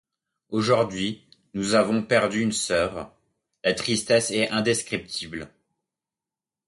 Aujourd'hui, nous avons perdu une sœur, la tristesse est indescriptible.